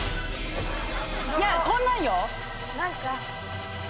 いやこんなんよ。